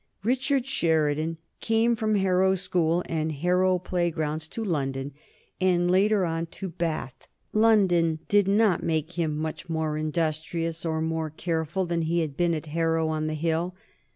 Richard Sheridan came from Harrow School and Harrow playgrounds to London, and, later on, to Bath. London did not make him much more industrious or more careful than he had been at Harrow on the Hill.